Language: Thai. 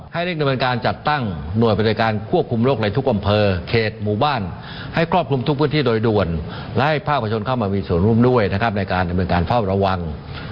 ให้เร่งดำเนินการจัดตั้งหน่วยบริการควบคุมโรคในทุกอำเภอเขตหมู่บ้านให้ครอบคลุมทุกพื้นที่โดยด่วนและให้ภาคประชนเข้ามามีส่วนร่วมด้วยนะครับในการดำเนินการเฝ้าระวัง